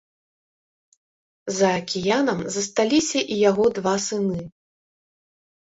За акіянам засталіся і яго два сыны.